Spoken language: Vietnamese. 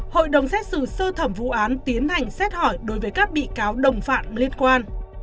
hội đồng xét xử sơ thẩm vụ án tiến hành xét hỏi đối với các bị cáo đồng phạm liên quan